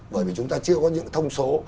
bởi vì chúng ta chưa có những thông số